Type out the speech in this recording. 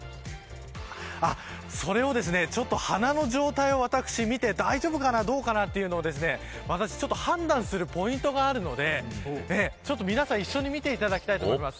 それを花の状態を私、見て大丈夫かな、どうかなというのを判断するポイントがあるので皆さん一緒に見ていただきたいと思います。